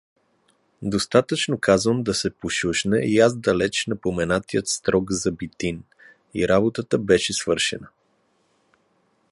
Достаточно, казвам, да се пошушне яздалеч на поменатия строг забитин, и работата беше свършена.